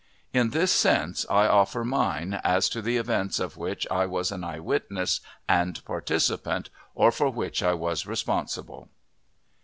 In this sense I offer mine as to the events of which I was an eye witness and participant, or for which I was responsible.